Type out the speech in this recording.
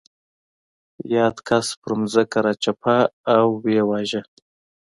یاد کس پر ځمکه راچپه او ویې واژه.